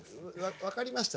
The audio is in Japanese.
分かりました。